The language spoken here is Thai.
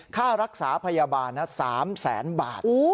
ค่ารักษาพยาบาล๓แสนบาท